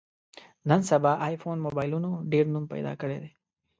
نن سبا ایفون مبایلونو ډېر نوم پیدا کړی دی.